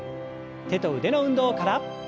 手と腕の運動から。